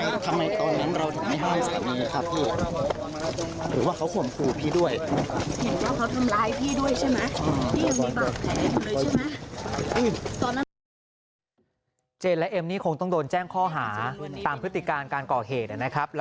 อย่างเรื่องราวเขาต้นร้ายพี่ด้วยใช่มั้ย